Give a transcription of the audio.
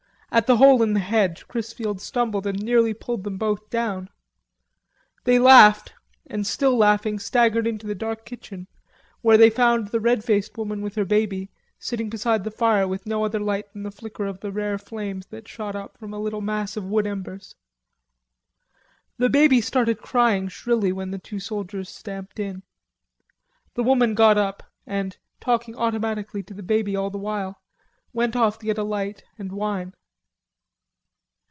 At the hole in the hedge Chrisfield stumbled and nearly pulled them both down. They laughed, and still laughing staggered into the dark kitchen, where they found the red faced woman with her baby sitting beside the fire with no other light than the flicker of the rare flames that shot up from a little mass of wood embers. The baby started crying shrilly when the two soldiers stamped in. The woman got up and, talking automatically to the baby all the while, went off to get a light and wine.